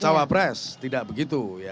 cawapres tidak begitu